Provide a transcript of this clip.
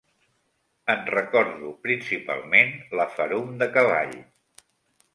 En recordo principalment la ferum de cavall